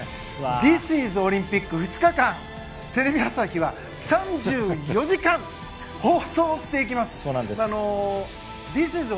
Ｔｈｉｓｉｓオリンピック２日間、テレビ朝日は３４時間放送していきます。